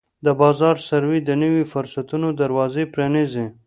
د بازار سروې د نویو فرصتونو دروازې پرانیزي.